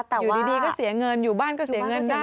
แต่อยู่ดีก็เสียเงินอยู่บ้านก็เสียเงินได้